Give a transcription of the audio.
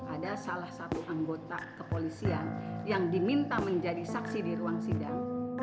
ada salah satu anggota kepolisian yang diminta menjadi saksi di ruang sidang